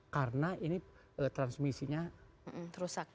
karena ini transmisinya rusak